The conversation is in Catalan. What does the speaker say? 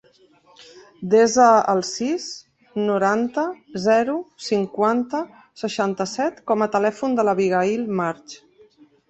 Desa el sis, noranta, zero, cinquanta, seixanta-set com a telèfon de l'Abigaïl March.